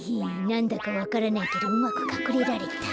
なんだかわからないけどうまくかくれられた。